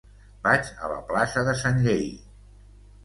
Vaig a la plaça de Sanllehy.